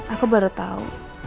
aku baru tau